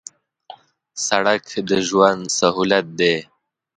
سړک د ژوند سهولت دی